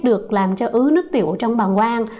được làm cho ứ nước tiểu trong bằng quang